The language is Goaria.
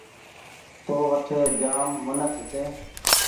تو وٺي جآم منک هيتي